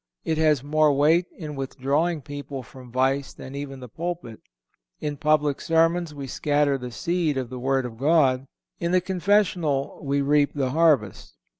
It has more weight in withdrawing people from vice than even the pulpit. In public sermons we scatter the seed of the Word of God; in the confessional we reap the harvest.